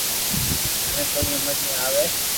مني ڪوئي ھمج ۾ آوي